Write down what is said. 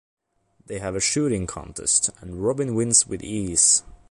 They have a shooting contest, and Robin wins with ease.